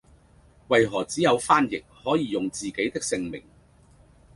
為何只有翻譯可以用自己的姓名